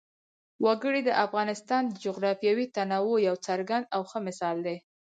وګړي د افغانستان د جغرافیوي تنوع یو څرګند او ښه مثال دی.